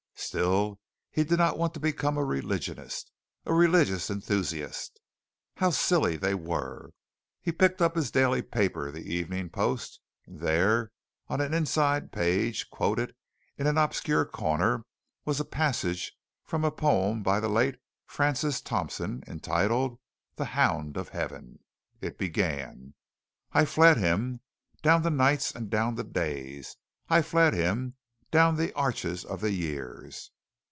Still he did not want to become a religionist a religious enthusiast. How silly they were. He picked up his daily paper the Evening Post and there on an inside page quoted in an obscure corner was a passage from a poem by the late Francis Thompson, entitled "The Hound of Heaven." It began: "I fled Him, down the nights and down the days; I fled Him, down the arches of the years